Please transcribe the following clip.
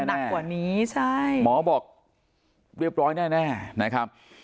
หนักกว่านี้ใช่หมอบอกเรียบร้อยแน่นะครับ